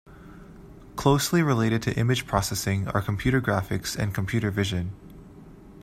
Closely related to image processing are computer graphics and computer vision.